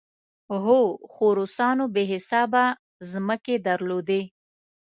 هو، خو روسانو بې حسابه ځمکې درلودې.